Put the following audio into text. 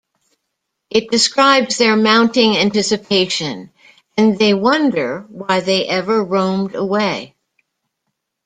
It describes their mounting anticipation and they wonder why they ever roamed away.